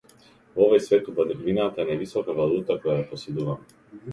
Во овој свет убавината е највисоката валута која ја поседуваме.